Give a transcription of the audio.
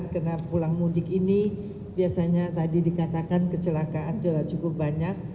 karena pulang mudik ini biasanya tadi dikatakan kecelakaan cukup banyak